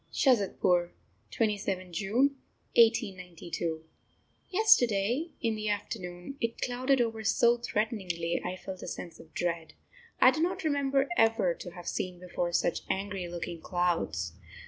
SHAZADPUR, 27th June 1892. Yesterday, in the afternoon, it clouded over so threateningly, I felt a sense of dread. I do not remember ever to have seen before such angry looking clouds.